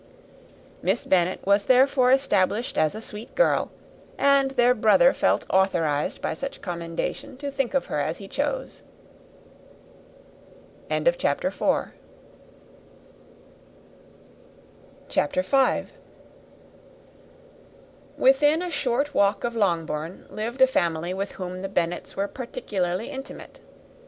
Miss Bennet was therefore established as a sweet girl; and their brother felt authorized by such commendation to think of her as he chose. [Illustration: [Copyright 1894 by George Allen.]] CHAPTER V. Within a short walk of Longbourn lived a family with whom the Bennets were particularly intimate.